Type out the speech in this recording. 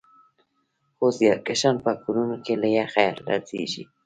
خو زیارکښان په کورونو کې له یخه لړزېږي